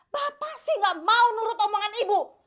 bapak sih tidak mau menurut omongan ibu